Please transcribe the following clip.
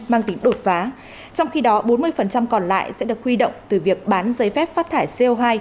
mang tính đột phá trong khi đó bốn mươi còn lại sẽ được huy động từ việc bán giấy phép phát thải co hai